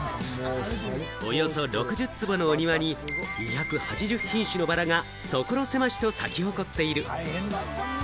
およそ６０坪のお庭に２８０品種のバラが所狭しと咲き誇っている。